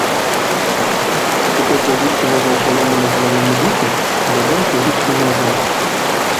Цяпер да гіпсавага шалому на галаве музыкі дадаўся гіпс на назе.